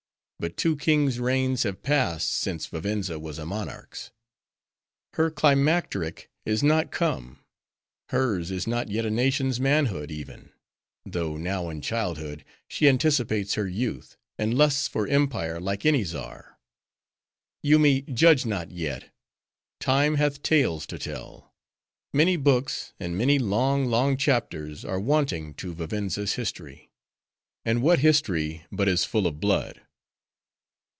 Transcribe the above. But two kings' reigns have passed since Vivenza was a monarch's. Her climacteric is not come; hers is not yet a nation's manhood even; though now in childhood, she anticipates her youth, and lusts for empire like any czar. Yoomy! judge not yet. Time hath tales to tell. Many books, and many long, long chapters, are wanting to Vivenza's history; and whet history but is full of blood?"